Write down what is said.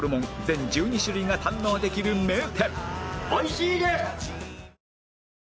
全１２種類が堪能できる名店